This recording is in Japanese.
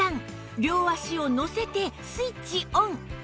両足をのせてスイッチオン